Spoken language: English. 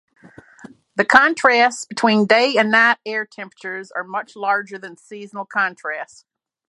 The contrasts between day and night air temperatures are much larger than seasonal contrasts.